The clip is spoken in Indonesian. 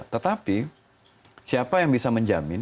tetapi siapa yang bisa menjamin